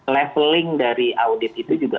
leveling dari audit itu juga